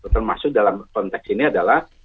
termasuk dalam konteks ini adalah